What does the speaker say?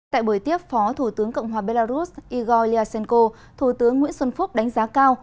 tại buổi tiếp phó thủ tướng cộng hòa belarus igor lyashenko thủ tướng nguyễn xuân phúc đánh giá cao